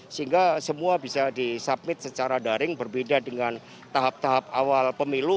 sehingga semua bisa disubmit secara daring berbeda dengan tahap tahap awal pemilu